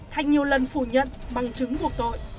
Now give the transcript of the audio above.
thanh nhiều lần phủ nhận bằng chứng buộc tội